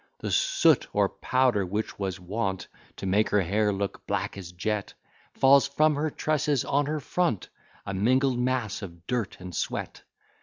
The soot or powder which was wont To make her hair look black as jet, Falls from her tresses on her front, A mingled mass of dirt and sweat.